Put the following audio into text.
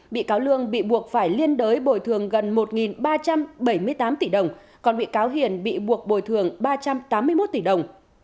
bị cáo lương bị buộc phải liên đới bồi thường gần một ba trăm bảy mươi tám tỷ đồng còn bị cáo hiền bị buộc bồi thường ba trăm tám mươi một tỷ đồng